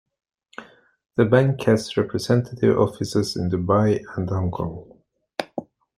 The bank has representative offices in Dubai and Hong Kong.